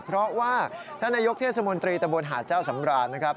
เพราะว่าท่านนายกเทศมนตรีตะบนหาดเจ้าสำราญนะครับ